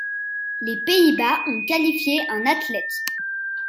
Les Pays-Bas ont qualifié un athlète.